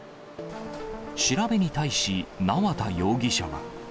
調べに対し、縄田容疑者は。